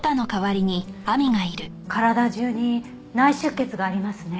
体中に内出血がありますね。